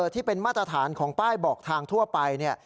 ที่เป็นมาตรฐานของป้ายบอกทางทั่วไป